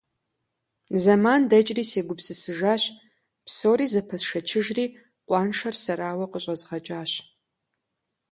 Зэман дэкӀри, сегупсысыжащ, псори зэпэсшэчыжри, къуаншэр сэрауэ къыщӀэзгъэкӀащ.